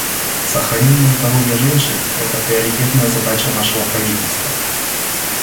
Сохранение здоровья женщин — это приоритетная задача нашего правительства.